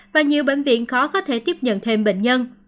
và nhiều bệnh viện khó có thể tiếp nhận thêm bệnh nhân